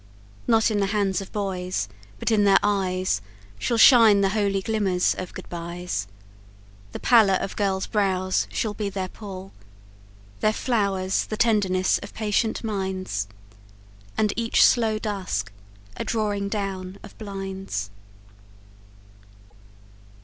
Not in the hands of boys, but in their eyes Shall shine the holy glimmers of good byes. The pallor of girls' brows shall be their pall; Their flowers the tenderness of patient minds, And each slow dusk a drawing down of blinds.